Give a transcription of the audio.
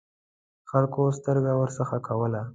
خلکو سترګه ورڅخه کوله.